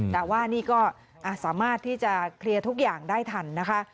แต่ว่านี่ก็สามารถที่จะเคลียร์ทุกอย่างได้ทันนะคะ